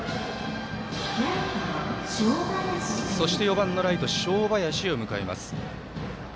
そして、４番のライト正林を迎えます。